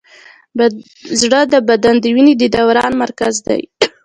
زړه د بدن د وینې د دوران مرکز دی.